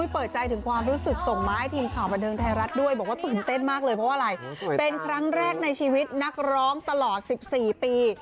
เป็นครั้งแรกในชีวิตนักร้องตลอด๑๔ปี